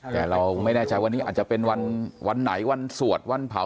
แต่เราไม่แน่ใจวันนี้อาจจะเป็นวันไหนวันสวดวันเผา